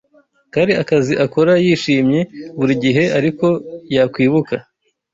Kari akazi akora yishimye buri gihe ariko yakwibuka